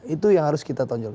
itu yang harus kita tonjolkan